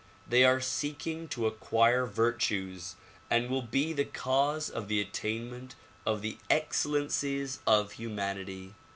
they are seeking to acquire virtues and will be the cause of the attainment of the excellences of humanity.